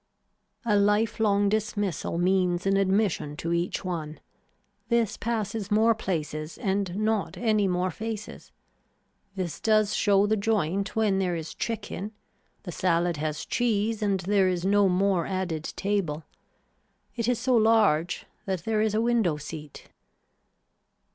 A life long dismissal means an admission to each one. This passes more places and not any more faces. This does show the joint when there is chicken. The salad has cheese and there is no more added table. It is so large that there is a window seat.